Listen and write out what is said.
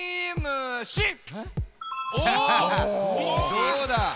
どうだ？